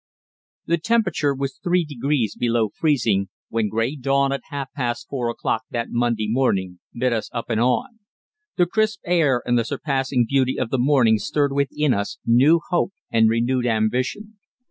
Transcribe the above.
The temperature was three degrees below freezing when grey dawn at half past four o'clock that Monday morning bid us up and on. The crisp air and the surpassing beauty of the morning stirred within us new hope and renewed ambition.